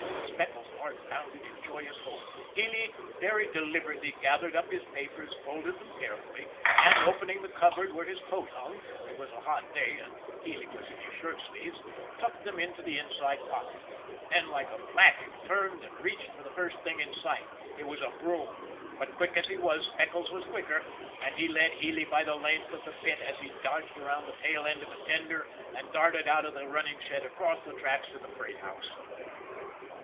Speckles' heart bounded in joyous hope. Healy very deliberately gathered up his papers, folded them carefully, and opening the cupboard where his coat hung it was a hot day, and Healy was in his shirt sleeves tucked them into the inside pocket. Then, like a flash, he turned and reached for the first thing in sight. It was a broom. But, quick as he was, Speckles was quicker, and he led Healy by the length of the pit as he dodged around the tail end of a tender and darted out of the running shed across the tracks to the freight house.